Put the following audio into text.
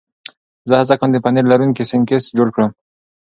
زه هڅه کوم د پنیر لرونکي سنکس جوړ کړم.